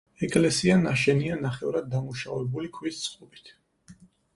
ეკლესია ნაშენია ნახევრად დამუშავებული ქვის წყობით.